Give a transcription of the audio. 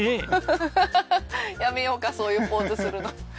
やめようかそういうポーズするの。